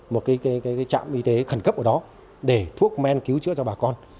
một cái trạm y tế khẩn cấp ở đó để thuốc men cứu chữa cho bà con